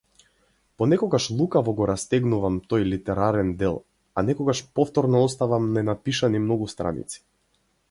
Понекогаш лукаво го растегнувам тој литерарен дел, а некогаш повторно оставам ненапишани многу страници.